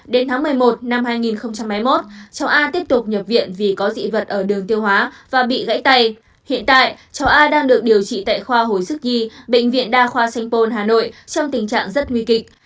đến tháng một mươi một năm hai nghìn hai mươi một cháu a tiếp tục nhập viện vì có dị vật ở đường tiêu hóa và bị gãy tay hiện tại cháu a đang được điều trị tại khoa hồi sức nhi bệnh viện đa khoa sanh pôn hà nội trong tình trạng rất nguy kịch